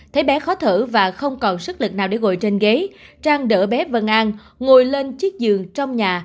thấy bé khó thở và không còn sức lực nào để ngồi trên ghế trang đỡ bé vân an ngồi lên chiếc giường trong nhà